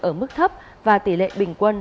ở mức thấp và tỷ lệ bình quân